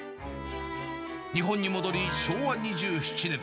日本に戻り、昭和２７年。